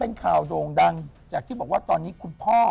เป็นข่าวโด่งดังจากที่บอกว่าตอนนี้คุณพ่อ